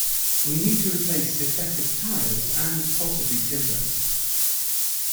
We need to replace defective tiles, and possibly timbers.